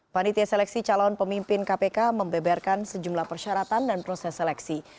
panitia seleksi calon pemimpin kpk membeberkan sejumlah persyaratan dan proses seleksi